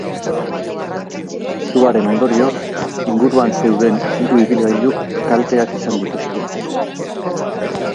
Suaren ondorioz, inguruan zeuden hiru ibilgailuk kalteak izan dituzte.